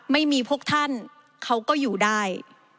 ไม่มีพวกท่านเขาก็อยู่ได้